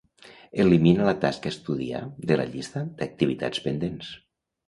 Elimina la tasca "estudiar" de la llista d'activitats pendents.